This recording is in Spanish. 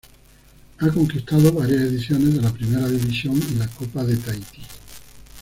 Ha conquistado varias ediciones de la Primera División y la Copa de Tahití.